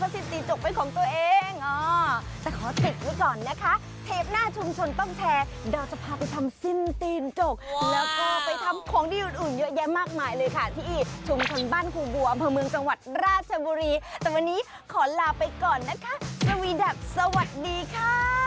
จกเป็นของตัวเองแต่ขอติดไว้ก่อนนะคะเทปหน้าชุมชนต้องแชร์เราจะพาไปทำสิ้นตีนจกแล้วก็ไปทำของดีอื่นอื่นเยอะแยะมากมายเลยค่ะที่ชุมชนบ้านครูบัวอำเภอเมืองจังหวัดราชบุรีแต่วันนี้ขอลาไปก่อนนะคะกวีดับสวัสดีค่ะ